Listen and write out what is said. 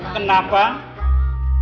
kenapa dan alasnya nobody